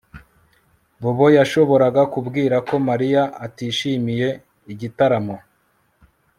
Bobo yashoboraga kubwira ko Mariya atishimiye igitaramo